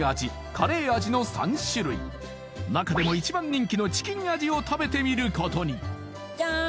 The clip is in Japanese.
カレー味の３種類中でも一番人気のチキン味を食べてみることにジャーン